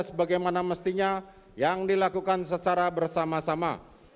sebagaimana mestinya yang dilakukan secara bersama sama